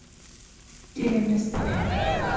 ډېره مرسته کوي